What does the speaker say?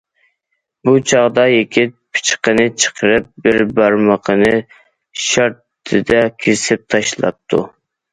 بۇ چاغدا يىگىت پىچىقىنى چىقىرىپ، بىر بارمىقىنى شارتتىدە كېسىپ تاشلاپتۇ.